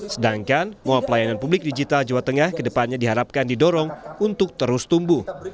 sedangkan mall pelayanan publik digital jawa tengah kedepannya diharapkan didorong untuk terus tumbuh